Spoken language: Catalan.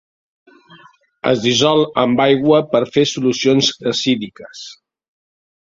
Es dissol amb aigua per fer solucions acídiques.